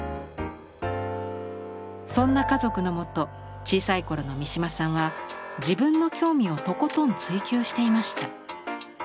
そんな家族のもと小さい頃の三島さんは自分の興味をとことん追求していました。